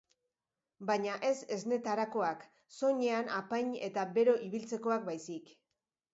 Baina ez esnetarakoak, soinean apain eta bero ibiltzekoak baizik.